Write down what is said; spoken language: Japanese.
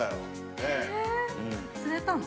◆釣れたの？